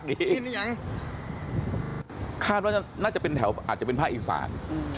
ดีอย่างคาดนะคะจะเป็นแถวอาจจะเป็นพระอีสาน